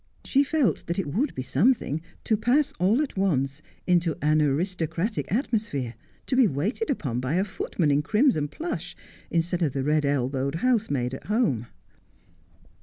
She felt that it would be something to pass all at once into an aris tocratic atmosphere, to be waited upon by a footman in crimson plush, instead of the red elbowed housemaid at home.